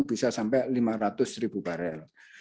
bisa sampai lima ratus ribu barel